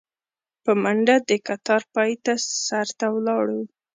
په منډه د کتار پاى سر ته ولاړو.